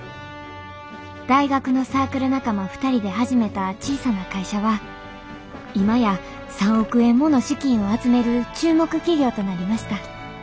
大学のサークル仲間２人で始めた小さな会社は今や３億円もの資金を集める注目企業となりました